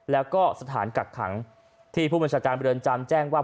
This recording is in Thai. แล้วก็สถานกักขังที่ผู้บัญชาการเรือนจำแจ้งว่า